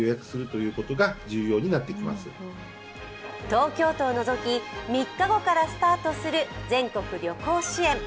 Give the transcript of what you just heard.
東京都を除き３日後からスタートする全国旅行支援。